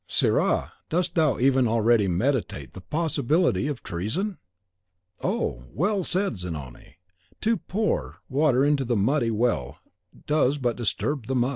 Sirrah! dost thou even already meditate the possibility of treason? Oh, well said Zanoni, "to pour pure water into the muddy well does but disturb the mud."